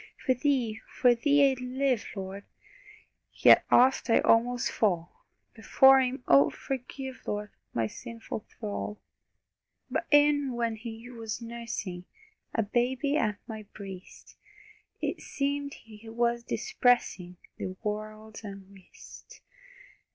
For Thee, for Thee I'd live, Lord! Yet oft I almost fall Before Him Oh, forgive, Lord, My sinful thrall! But e'en when He was nursing, A baby at my breast, It seemed He was dispersing The world's unrest.